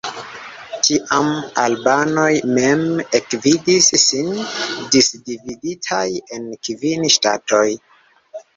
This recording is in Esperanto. Tiam albanoj mem ekvidis sin disdividitaj en kvin ŝtatoj.